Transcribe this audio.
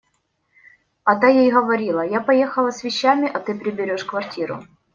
А та ей говорила: – Я поехала с вещами, а ты приберешь квартиру.